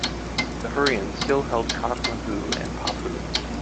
The Hurrians still held Katmuhu and Paphu.